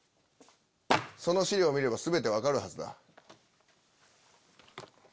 その資料を見れば全て分かるはずだ。